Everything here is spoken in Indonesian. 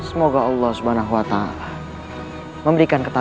itu siapa yang mengin teman wei